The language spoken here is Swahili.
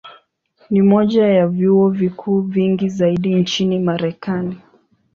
Ni moja ya vyuo vikuu vingi zaidi nchini Marekani.